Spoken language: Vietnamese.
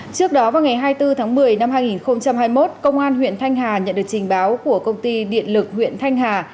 trước đó vào ngày hai mươi bốn tháng một mươi năm hai nghìn hai mươi một công an huyện thanh hà nhận được trình báo của công ty điện lực huyện thanh hà